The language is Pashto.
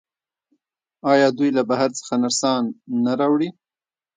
آیا دوی له بهر څخه نرسان نه راوړي؟